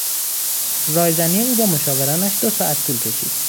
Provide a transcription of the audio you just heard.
رایزنی او با مشاورانش دو ساعت طول کشید.